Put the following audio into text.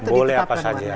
boleh apa saja